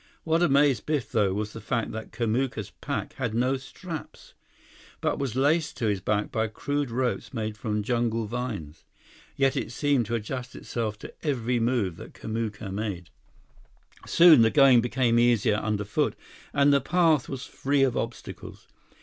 What amazed Biff, though, was the fact that Kamuka's pack had no straps, but was laced to his back by crude ropes made from jungle vines. Yet it seemed to adjust itself to every move that Kamuka made. Soon, the going became easier underfoot, and the path was free of obstacles.